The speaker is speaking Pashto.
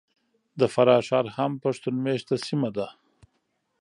د فراه ښار هم پښتون مېشته سیمه ده .